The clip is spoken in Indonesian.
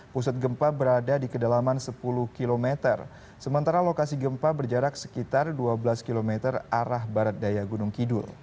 pusat gempa berada di kedalaman sepuluh km sementara lokasi gempa berjarak sekitar dua belas km arah barat daya gunung kidul